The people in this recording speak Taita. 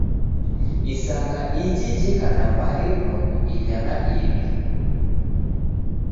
Isanga iji jeka na mbari mrongo inya na iw'i.